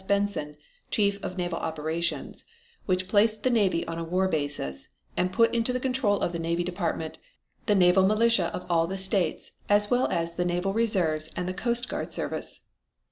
Benson, Chief of Naval Operations, which placed the Navy on a war basis, and put into the control of the Navy Department the naval militia of all the states as well as the Naval Reserves and the Coast Guard Service.